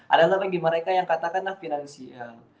adalah bagi mereka yang katakanlah finansial